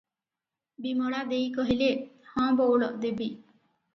ବିମଳା ଦେଈ କହିଲେ, "ହଁ ବଉଳ ଦେବି ।"